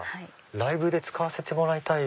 ライブで使わせてもらいたい。